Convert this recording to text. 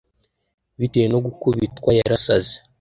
Bitewe no gukubitwa, yarasaze